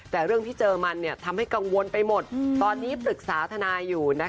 แต่เรื่องที่เจอมันทำให้กังวลไปหมดตอนนี้ปรึกษาทนายอยู่